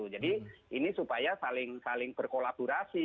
jadi ini supaya saling berkolaborasi